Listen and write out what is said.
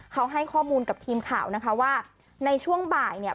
เขาให้ข้อมูลกับทีมข่าวนะคะว่าในช่วงบ่ายเนี่ย